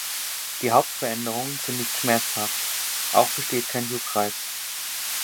Die Hautveränderungen sind nicht schmerzhaft, auch besteht kein Juckreiz.